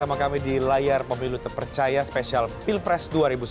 bersama kami di layar pemilu terpercaya spesial pilpres dua ribu sembilan belas